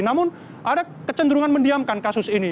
namun ada kecenderungan mendiamkan kasus ini